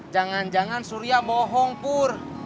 jangan jangan surya bohong pur